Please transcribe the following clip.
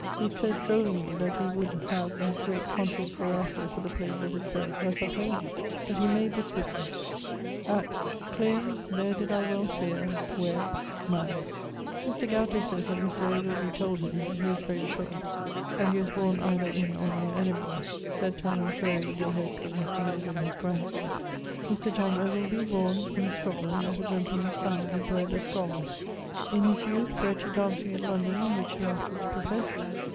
He sayd drollingly that he would have as great contests hereafter for the place of his birth as of Homer's: but he made this rythme: At ... cleare ther did I well fere where ... man. Mr. Gadbury sayes that Mr. Ogilby told him (he was very sure) that he was borne either in or neer Edinburgh. Sed tamen quaere de hoc of Mr. Morgan his grandson. Mr. John Ogilby, borne ... in Scotland, of a gentleman's family; bred a scholar. In his youth bred to dancing at London: which he afterwards professed.